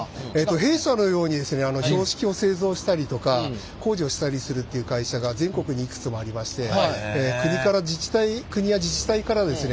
弊社のように標識を製造したりとか工事をしたりするっていう会社が全国にいくつもありましてなるほどね。